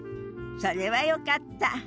それはよかった。